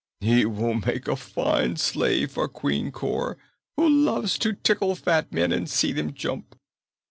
"He will make a fine slave for Queen Cor, who loves to tickle fat men, and see them jump."